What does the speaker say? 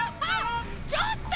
ちょっと！